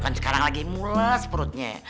kan sekarang lagi mules perutnya